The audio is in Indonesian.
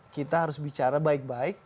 kita harus bicara baik baik